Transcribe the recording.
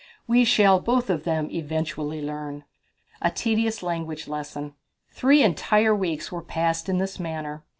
"We shall both of them eventually learn." A Tedious Language Lesson. Three entire weeks were passed in this manner.